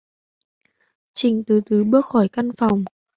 Trình từ từ bước khỏi căn phòng